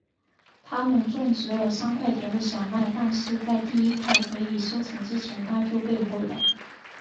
他们种植了三块田的小麦但是在第一块可以收成之前它就被毁了。